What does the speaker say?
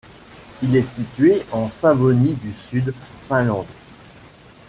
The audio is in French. Il est situé en Savonie du Sud, Finlande.